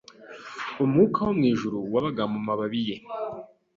Umwuka wo mwijuru wabaga mumababi ye